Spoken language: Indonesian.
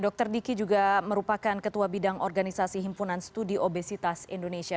dr diki juga merupakan ketua bidang organisasi himpunan studi obesitas indonesia